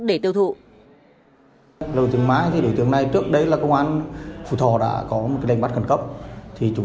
để tiêu thụ